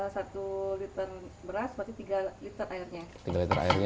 satu liter beras berarti tiga liter airnya